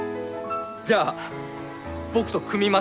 じゃあ僕と組みませんか？